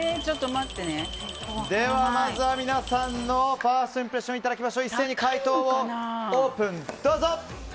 ではまずは皆さんのファーストインプレッション一斉に解答をオープン！